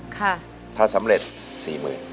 ถ้าสำเร็จ๔หมื่น